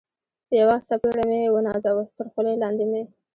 په یوه څپېړه مې و نازاوه، تر خولۍ لاندې مې.